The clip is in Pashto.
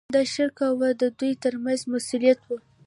دا ښه کوه د دوی ترمنځ مصلحت و.